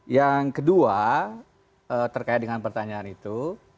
yang kedua terkait dengan pertanyaan itu